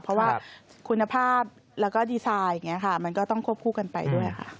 เพราะว่าคุณภาพแล้วก็ดีไซน์มันก็ต้องควบคู่กันไปด้วย